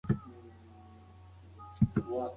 که نجونې ژبې زده کړي نو اړیکې به یې محدودې نه وي.